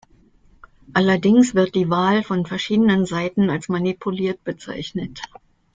Allerdings wird die Wahl von verschiedenen Seiten als manipuliert bezeichnet.